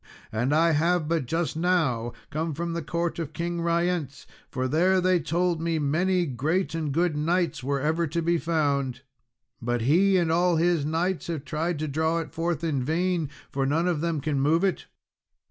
And I have but just now come from the court of King Ryence, for there they told me many great and good knights were to be ever found; but he and all his knights have tried to draw it forth in vain for none of them can move it."